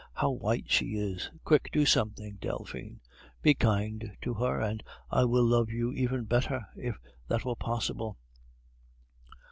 How white she is! Quick, do something, Delphine; be kind to her, and I will love you even better, if that were possible."